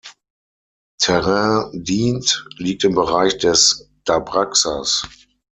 Terrain dient, liegt im Bereich des d’Abraxas.